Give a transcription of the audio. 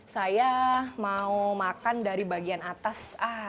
saya mau makan dari bagian atas